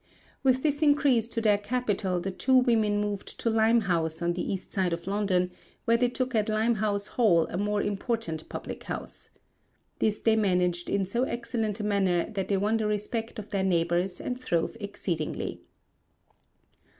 With this increase to their capital the two women moved to Limehouse on the east side of London where they took at Limehouse hole a more important public house. This they managed in so excellent a manner that they won the respect of their neighbours and throve exceedingly.